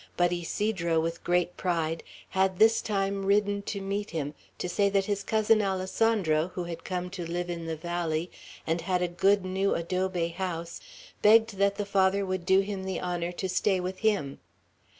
But Ysidro, with great pride, had this time ridden to meet him, to say that his cousin Alessandro, who had come to live in the valley, and had a good new adobe house, begged that the Father would do him the honor to stay with him.